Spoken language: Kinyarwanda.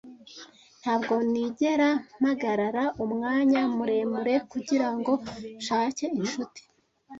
Ntabwo nigera mpagarara umwanya muremure kugirango nshake inshuti.